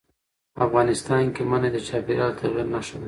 افغانستان کې منی د چاپېریال د تغیر نښه ده.